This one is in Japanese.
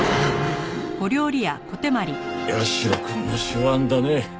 社くんの手腕だね。